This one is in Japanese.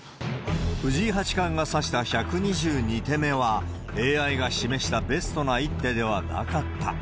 藤井八冠が指した１２２手目は、ＡＩが示したベストな一手ではなかった。